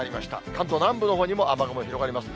関東南部のほうにも雨雲広がります。